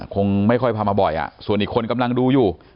คงไม่ค่อยพามาบ่อยส่วนอีกคนกำลังดูอยู่